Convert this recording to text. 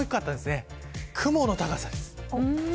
雲の高さです。